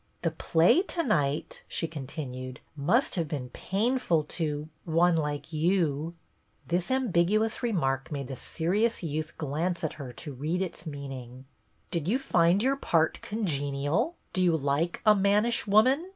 " The play to night," she continued, " must have been painful to — one like you." This THE PLAY 151 ambiguous remark made the serious youth glance at her to read its meaning. " Did you find your part congenial Do you like a mannish woman?"